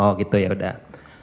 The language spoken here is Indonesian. oh gitu ya udah